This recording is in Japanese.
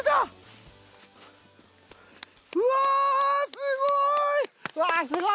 うわすごい！